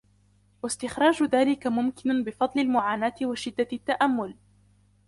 وَاسْتِخْرَاجُ ذَلِكَ مُمْكِنٌ بِفَضْلِ الْمُعَانَاةِ وَشِدَّةِ التَّأَمُّلِ